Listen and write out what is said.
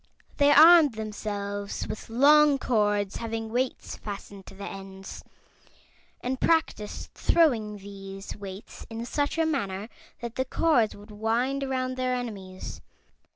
They armed themselves with long cords having weights fastened to the ends, and practiced throwing these weights in such a manner that the cords would wind around their enemies.